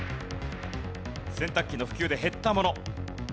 洗濯機の普及で減ったもの。